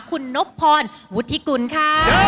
คุณนบพรวุฒิกุลค่ะ